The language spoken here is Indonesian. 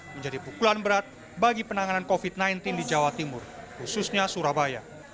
menjadi pukulan berat bagi penanganan covid sembilan belas di jawa timur khususnya surabaya